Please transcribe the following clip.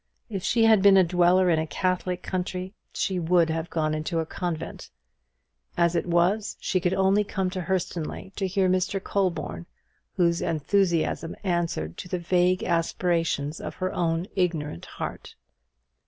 If she had been a dweller in a Catholic country, she would have gone into a convent; as it was, she could only come to Hurstonleigh to hear Mr. Colborne, whose enthusiasm answered to the vague aspirations of her own ignorant heart.